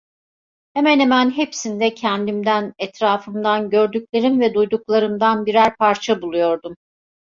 Hemen hemen hepsinde kendimden, etrafımdan, gördüklerim ve duyduklarımdan birer parça buluyordum.